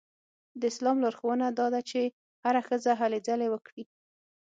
د اسلام لارښوونه دا ده چې هره ښځه هلې ځلې وکړي.